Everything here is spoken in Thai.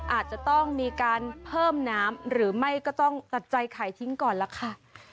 อาจจะต้องมีการเพิ่มน้ำหรือไม่ก็ต้องตัดใจไข่ทิ้งก่อนล่ะค่ะ